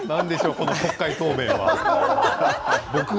この国会答弁は。